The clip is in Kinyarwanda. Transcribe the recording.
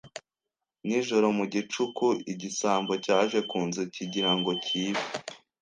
Nijoro mu gicuku, igisambo cyaje ku nzu kigira ngo cyibe